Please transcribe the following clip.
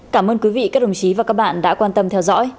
cảm ơn quý vị các đồng chí và các bạn đã quan tâm theo dõi